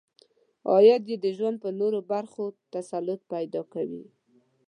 عاید یې د ژوند په نورو برخو تسلط پیدا کوي.